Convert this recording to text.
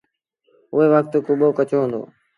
اُئي وکت ڪٻو ڪچو هُݩدو۔